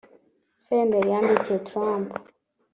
Senderi yandikiye Trump